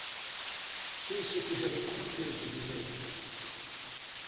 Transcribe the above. C'est ce que j'avais compté, dit l'évêque.